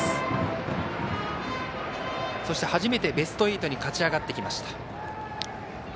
そして、初めてベスト８に勝ち上がってきました。